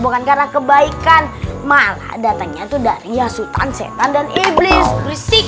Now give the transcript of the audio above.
bukan karena kebaikan malah datangnya itu dari ya sultan setan dan iblistik